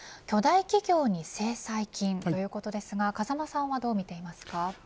巨大企業に制裁金ということですが風間さんはどう見ていますか。